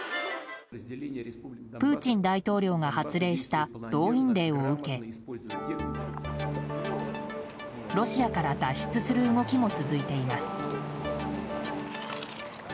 プーチン大統領が発令した動員令を受けロシアから脱出する動きも続いています。